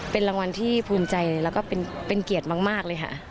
เป็นรางวัลที่ภูมิใจแล้วก็เป็นเกียรติมากเลยค่ะ